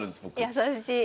優しい。